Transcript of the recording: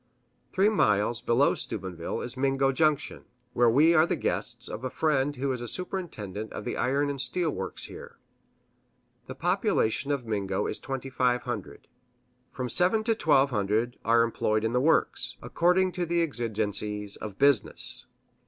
Three miles below Steubenville is Mingo Junction, where we are the guests of a friend who is superintendent of the iron and steel works here. The population of Mingo is twenty five hundred. From seven to twelve hundred are employed in the works, according to the exigencies of business.